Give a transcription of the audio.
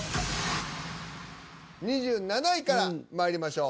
２７位からまいりましょう。